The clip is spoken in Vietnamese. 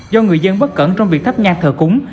do người dân bất cẩn trong việc thắp nhan thờ cúng